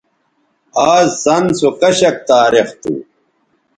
آز څَن سو کشک تاریخ تھو